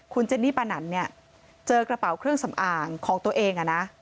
คุณเจนนี่ปานันเนี่ยเจอกระเป๋าเครื่องสำอางของตัวเอง